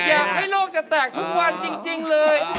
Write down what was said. อยากให้โลกจะแตกทุกวันจริงเลย